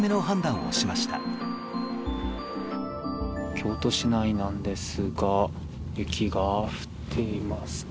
京都市内なんですが雪が降っていますね。